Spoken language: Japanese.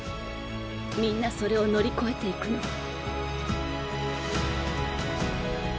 みんなそれを乗り越えていくの。